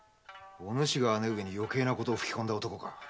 お主が姉上によけいなことを吹き込んだ男か。